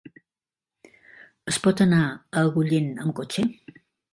Es pot anar a Agullent amb cotxe?